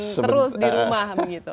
terus di rumah